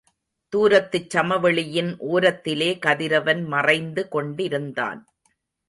தூரத்துச் சமவெளியின் ஓரத்திலே, கதிரவன் மறைந்து கொண்டிருந்தான்.